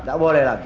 nggak boleh lagi